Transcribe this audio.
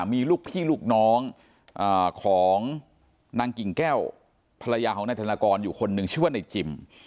มีลูกพี่ลูกน้องของนางกิ่งแก้วภรรยาของนายธนากรอยู่คนหนึ่งชื่อว่านายจิม